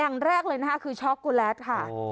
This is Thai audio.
อย่างแรกเลยนะคะคือช็อกโกแลตค่ะ